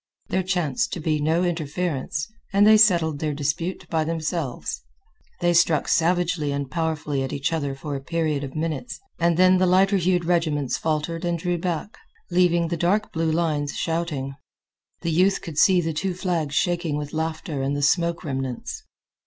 There chanced to be no interference, and they settled their dispute by themselves. They struck savagely and powerfully at each other for a period of minutes, and then the lighter hued regiments faltered and drew back, leaving the dark blue lines shouting. The youth could see the two flags shaking with laughter amid the smoke remnants.